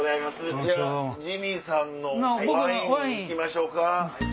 じゃあジミーさんのワインに行きましょうか。